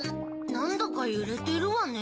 なんだかゆれてるわね。